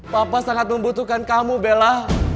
papa sangat membutuhkan kamu bella